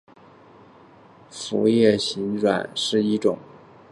辐叶形软珊瑚为软珊瑚科叶形软珊瑚属下的一个种。